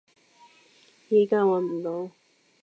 依家揾唔到